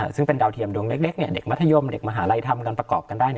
ซึ่งเป็นดาวเทียมดวงเล็กเด็กมัธยมเด็กมหาลัยทำกันประกอบกันได้